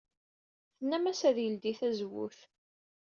Tennamt-as ad yeldey tazewwut.